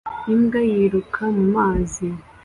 Imbwa yiruka mu mazi